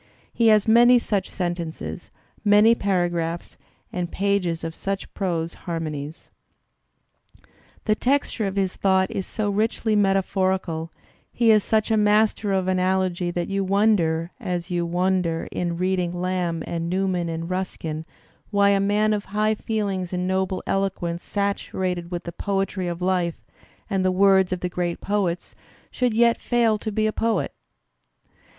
He has many such sentences, many paragraphs and pages of such prose harmonies. The texture of his thought is so richly metaphorical, he is such a master of analogy that you wonder, as you wonder in reading Lamb and Newman and Ruskin, why a man of high feelings and noble eloquence, saturated with the poetry of life and the words of the great poets, should yet fail to be a poet.